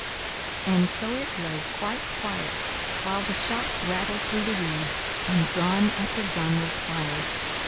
And so it lay quite quiet, while the shots rattled through the reeds and gun after gun was fired.